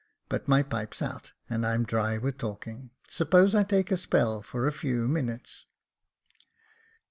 But my pipe's out, and I'm dry with talking. Suppose I take a spell for a few minutes."